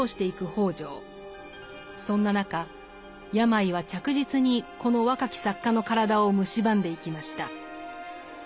そんな中病は着実にこの若き作家の体をむしばんでいきました。